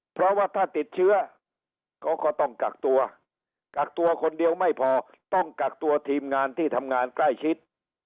เพราะว่าถ้าติดเชื้อเขาก็ต้องกักตัวกักตัวคนเดียวไม่พอต้องกักตัวทีมงานที่ทำงานใกล้ชิด